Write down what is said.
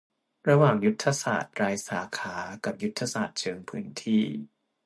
ระหว่างยุทธศาสตร์รายสาขากับยุทธศาสตร์เชิงพื้นที่